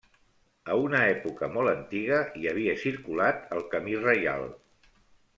A una època molt antiga hi havia circulat el camí reial.